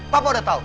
papa udah tau